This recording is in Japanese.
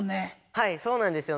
はいそうなんですよ。